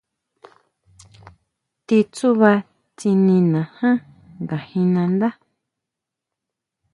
Ti tsuba tsinina jan nga jín nandá.